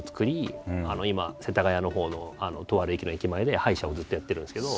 今世田谷のほうのとある駅の駅前で歯医者をずっとやってるんですけど。